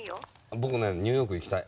僕ねニューヨーク行きたい。